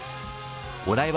お台場